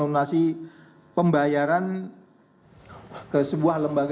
dan ultimately imbye bupati itu adalah convertir perangkutan mahasiswa e recording